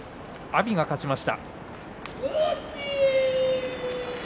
阿炎が勝ちました。